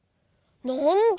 なんだ？